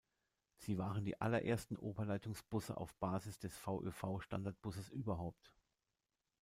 Sie waren die allerersten Oberleitungsbusse auf Basis des VÖV-Standardbusses überhaupt.